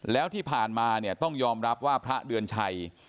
แล้วที่ผ่านมาเนี่ยต้องยอมรับว่าพระเดือนชัย